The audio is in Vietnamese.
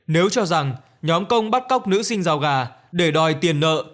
nếu cho rằng nhóm công bắt cóc nữ sinh rào gà để đòi tiền nợ